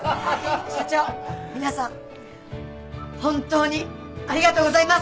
社長皆さん本当にありがとうございます！